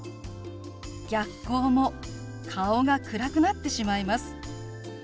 逆光も顔が暗くなってしまいます。